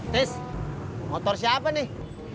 tis motor siapa nih